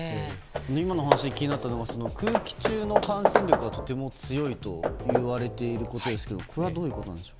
今の話で気になったのが空気中の感染力がとても強いといわれているということですがこれはどういうことなんでしょう。